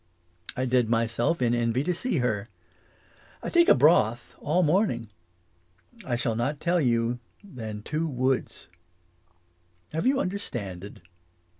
I dead myself in envy to see her. I take a broth all morning. I shall not tell you than two woods. Have you understanded ?